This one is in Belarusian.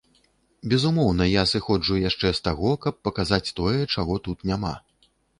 Безумоўна, я сыходжу яшчэ з таго, каб паказаць тое, чаго тут няма.